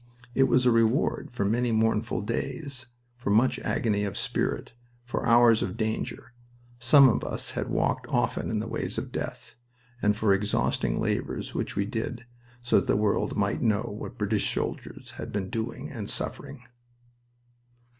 It was a reward for many mournful days, for much agony of spirit, for hours of danger some of us had walked often in the ways of death and for exhausting labors which we did so that the world might know what British soldiers had been doing and suffering.